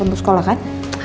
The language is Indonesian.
untuk sekolah kan